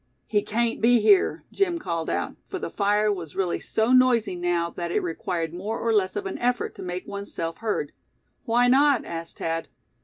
"He cain't be here!" Jim called out, for the fire was really so noisy now that it required more or less of an effort to make one's self heard. "Why not?" asked Thad.